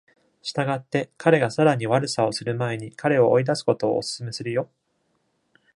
したがって、彼がさらに悪さをする前に彼を追い出すことをお勧めするよ。